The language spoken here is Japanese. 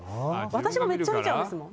私もめっちゃ見ちゃいますもん。